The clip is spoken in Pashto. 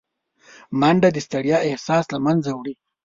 منډه د ستړیا احساس له منځه وړي